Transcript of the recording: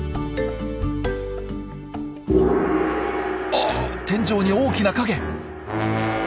あっ天井に大きな影！